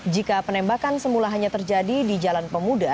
jika penembakan semula hanya terjadi di jalan pemuda